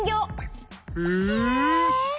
へえ。